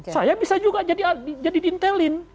saya bisa juga jadi diintelin